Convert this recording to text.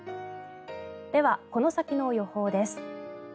では、この先の予報です。